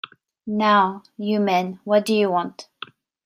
Now, you men, what do you want?